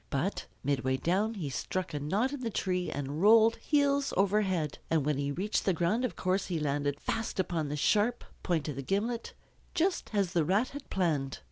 But midway down he struck a knot in the tree and rolled heels over head. And when he reached the ground of course he landed fast upon the sharp point of the gimlet, just as the Rat had planned.